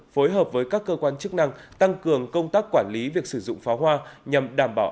phối hợp với các cơ quan chức năng tăng cường công tác quản lý việc sử dụng pháo hoa nhằm đảm bảo